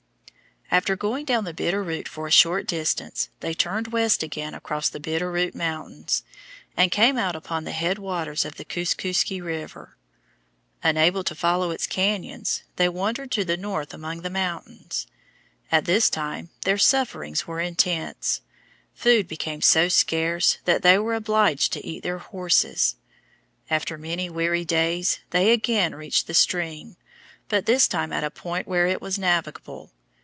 After going down the Bitter Root for a short distance they turned west again across the Bitter Root Mountains and came out upon the head waters of the Kooskooskie River. Unable to follow its cañons, they wandered to the north among the mountains. At this time their sufferings were intense. Food became so scarce that they were obliged to eat their horses. After many weary days they again reached the stream, but this time at a point where it was navigable.